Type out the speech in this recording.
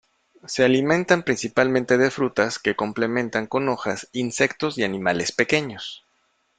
Se alimentan principalmente de frutas, que complementan con hojas, insectos y animales pequeños.